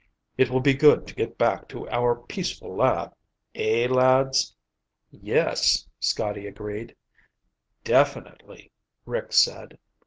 "It will be good to get back to our peaceful lab, eh, lads?" "Yes," Scotty agreed. "Definitely," Rick said.